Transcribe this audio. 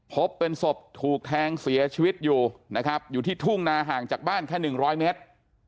พบเป็นศพถูกแทงเสียชีวิตอยู่นะครับอยู่ที่ทุ่งนาห่างจากบ้านแค่๑๐๐เมตร